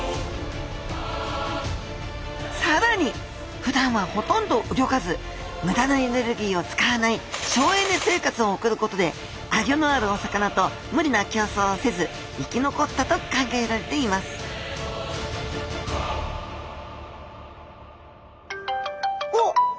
さらにふだんはほとんどうギョかずむだなエネルギーを使わない省エネ生活を送ることでアギョのあるお魚と無理な競争をせず生き残ったと考えられていますおっ！